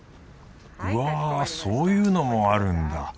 うわそういうのもあるんだ